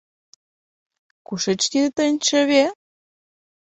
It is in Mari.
— Кушеч тиде тыйын чыве?